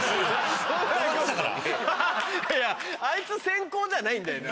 あいつ先行じゃないんだよな。